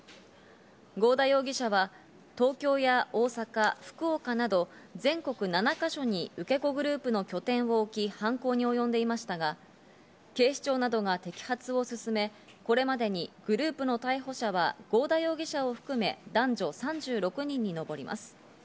合田容疑者は東京や大阪、福岡など全国７か所に受け子グループの拠点を置き犯行に及んでいましたが、警視庁などが摘発を進め、これまでにグループの逮捕者は合田容疑者を含め男女３６人にのぼります。